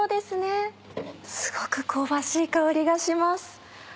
すごく香ばしい香りがします。